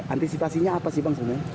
antisipasinya apa sih bang sebenarnya